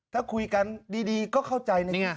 ถ้าคุยกันดีก็เข้าใจในแง่